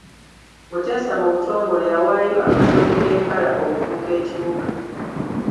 Muteesa mu butongole yawaayo akasozi k'empala okufuuka ekibuga.